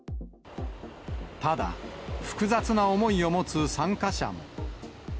ただ、複雑な思いを持つ参加者も。